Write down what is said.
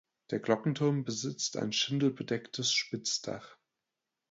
Der Glockenturm besitzt ein schindelbedecktes Spitzdach.